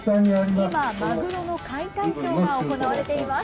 今、マグロの解体ショーが行われています。